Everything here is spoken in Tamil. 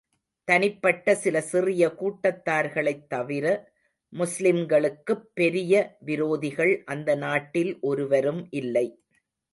தனிப்பட்ட சில சிறிய கூட்டத்தார்களைத் தவிர, முஸ்லிம்களுக்குப் பெரிய விரோதிகள் அந்த நாட்டில் ஒருவரும் இல்லை.